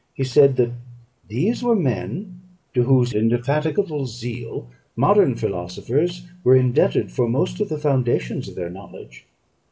He said, that "these were men to whose indefatigable zeal modern philosophers were indebted for most of the foundations of their knowledge.